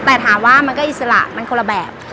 แต่ถามว่ามันก็อิสระมันคนละแบบ